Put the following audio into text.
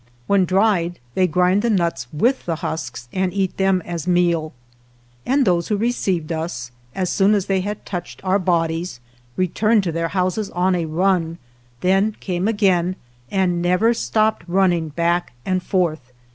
When dried they grind the nuts with the husks, and eat them as meal. And those who re ceived us, as soon as they had touched our bodies, returned to their houses on a run, then came again, and never stopped running back and forth.